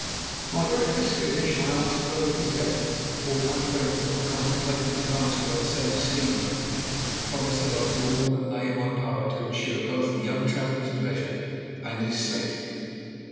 My breakfast finished, I answered both these letters, informed my friends of my contemplated departure by the same steamer, and promised that I would do all that lay in my power to ensure both the young traveller's pleasure and his safety.